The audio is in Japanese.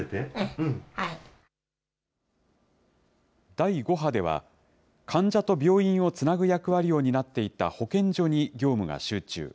第５波では、患者と病院をつなぐ役割を担っていた保健所に業務が集中。